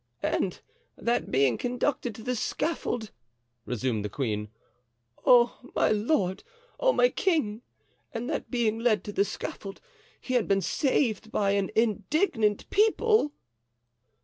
"And that being conducted to the scaffold," resumed the queen—"oh, my lord! oh, my king!—and that being led to the scaffold he had been saved by an indignant people."